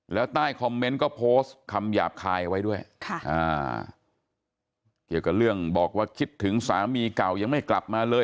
แล้วใต้คอมเมนต์ก็โพสต์คำหยาบคายเอาไว้ด้วยเกี่ยวกับเรื่องบอกว่าคิดถึงสามีเก่ายังไม่กลับมาเลย